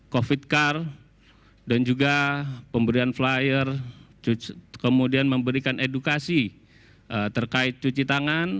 covid car dan juga pemberian flyer kemudian memberikan edukasi terkait cuci tangan